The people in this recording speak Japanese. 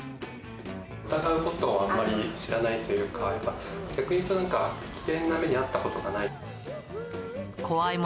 疑うことをあんまり知らないというか、逆に言うと危険な目に遭ったことがないという。